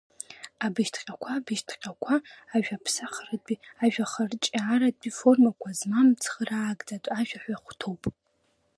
Абыжьҭҟьақәа абыжьҭҟьақәа ажәаԥсахратәи ажәахырҿиааратәи формақәа змам цхыраагӡатә ажәаҳәа хәҭоуп.